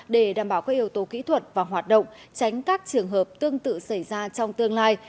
để đảm bảo các yếu tố kỹ thuật và hoạt động tránh các trường hợp tương tự xảy ra trong tương lai